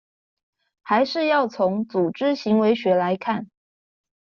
還是要從「組織行為學」來看